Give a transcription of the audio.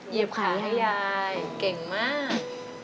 เหยียบขาให้ยายเก่งมาก